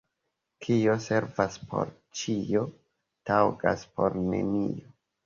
Kio servas por ĉio, taŭgas por nenio.